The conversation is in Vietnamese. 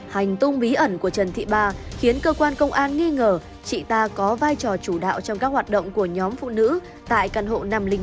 hành tung bí ẩn của trần thị ba khiến cơ quan công an nghi ngờ chị ta có vai trò chủ đạo trong các hoạt động của nhóm phụ nữ tại căn hộ năm trăm linh một